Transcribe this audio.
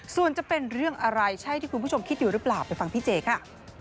ส่วนจะเป็นเรื่องอะไรใช่ที่คุณผู้ชมคิดอยู่หรือเปล่าไปฟังพี่เจค่ะ